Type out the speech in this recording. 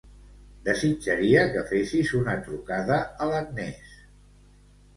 Desitjaria que fessis una trucada a l'Agnès.